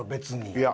いや。